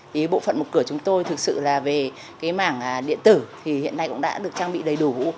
thì bộ phận một cửa chúng tôi thực sự là về cái mảng điện tử thì hiện nay cũng đã được trang bị đầy đủ